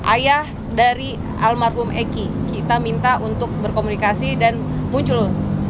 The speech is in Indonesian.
ayah dari almarhum eki kita minta untuk berkomunikasi dan muncul